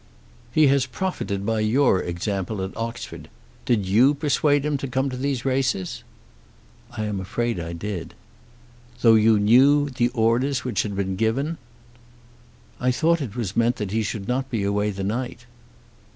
"He has profited by your example at Oxford. Did you persuade him to come to these races?" "I am afraid I did." "Though you knew the orders which had been given?" "I thought it was meant that he should not be away the night."